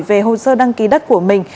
về hồ sơ đăng ký đất của mình